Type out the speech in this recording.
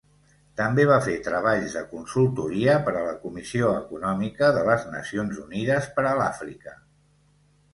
També va fer treballs de consultoria per a la Comissió Econòmica de les Nacions Unides per a l'Àfrica.